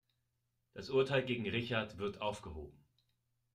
Das Urteil gegen Richard wird aufgehoben.